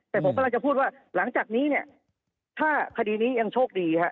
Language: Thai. แต่ผมกำลังจะพูดว่าหลังจากนี้เนี่ยถ้าคดีนี้ยังโชคดีฮะ